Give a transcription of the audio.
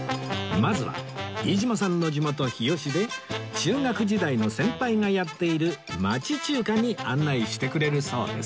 まずは飯島さんの地元日吉で中学時代の先輩がやっている町中華に案内してくれるそうです